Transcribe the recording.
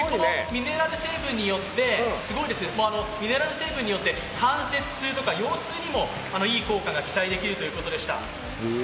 このミネラル成分によって、関節痛や、腰痛にもいい効果が期待できるということでした。